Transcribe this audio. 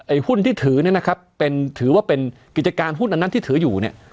หุ้นที่ถือเนี่ยนะครับเป็นถือว่าเป็นกิจการหุ้นอันนั้นที่ถืออยู่เนี่ย